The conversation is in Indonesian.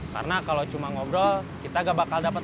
karena kalau cuma ngobrol kita nggak bakal dapet